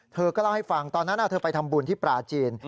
เธอก็เล่าให้ฟังตอนนั้นเธอไปทำบุญที่ปลาจีน